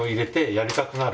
やりたくなる！